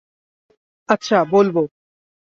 আচ্ছা, বলবো।